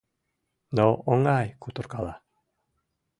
Но оҥай кутыркала!